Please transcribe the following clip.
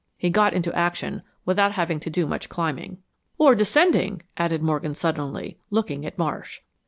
He got into action without having to do much climbing." "Or descending," added Morgan, suddenly, looking at Marsh.